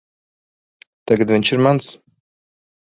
Tagad viņš ir mans.